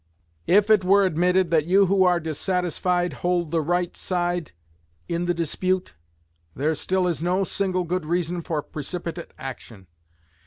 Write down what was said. If it were admitted that you who are dissatisfied hold the right side in the dispute, there still is no single good reason for precipitate action.